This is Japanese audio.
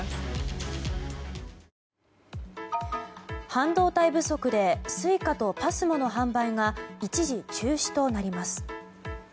半導体不足でＳｕｉｃａとＰＡＳＭＯの販売が一時中止となります。